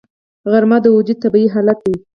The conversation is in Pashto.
غرمه د وجود طبیعي حالت دی